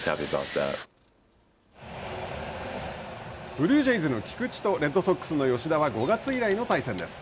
ブルージェイズの菊池とレッドソックスの吉田は５月以来の対戦です。